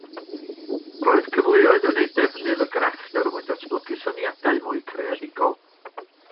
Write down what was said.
Roedd cyfleoedd i wneud defnydd o grefft er mwyn datblygu syniadau mwy creadigol